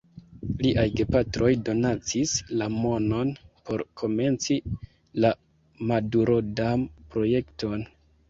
Liaj gepatroj donacis la monon por komenci la Madurodam-projekton.